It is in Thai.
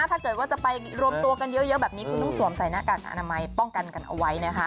ถ้าเกิดว่าจะไปรวมตัวกันเยอะแบบนี้คุณต้องสวมใส่หน้ากากอนามัยป้องกันกันเอาไว้นะคะ